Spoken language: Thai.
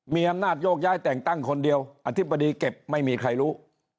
มีอำนาจโยกย้ายแต่งตั้งคนเดียวอธิบดีเก็บไม่มีใครรู้